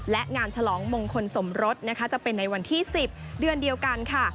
และงานฉลองมงคลสมรสนะคะจะเป็นในวันที่๑๐เดือนเดียวกันค่ะ